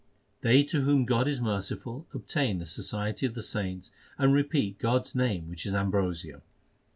They to whom God is merciful, obtain the society of the saints, And repeat God s name which is ambrosia.